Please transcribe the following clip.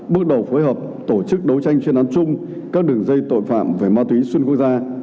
bước đầu phối hợp tổ chức đấu tranh truy nãn chung các đường dây tội phạm về ma túy xuân quốc gia